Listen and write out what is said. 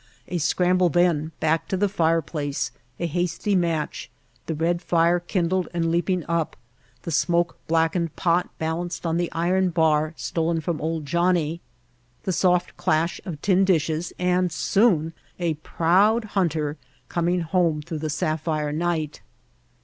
A scramble then, back to the fireplace, a hasty match, the red fire kindled and leaping up, the smoke blacked pot balanced on the iron bar stolen from "Old Johnnie," the soft clash of tin dishes, and soon a proud hunter coming home through the sapphire night.